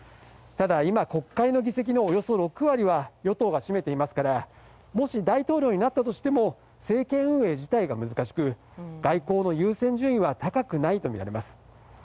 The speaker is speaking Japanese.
ただ、今国会の議席のおよそ６割は与党が占めていますからもし大統領になったとしても政権運営自体が難しく外交の優先順位は高くないとみられます。